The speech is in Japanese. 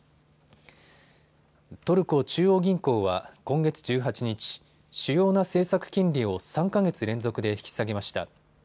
トルコ中央銀行は今月１８日、主要な政策金利を３か月連続で引き下げました。